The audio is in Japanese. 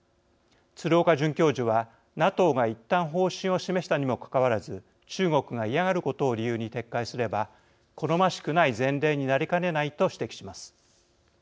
鶴岡准教授は「ＮＡＴＯがいったん方針を示したにもかかわらず中国が嫌がることを理由に撤回すれば好ましくない前例になりかねない」と指摘します。